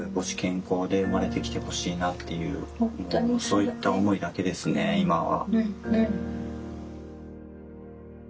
そういった思いだけですね今は。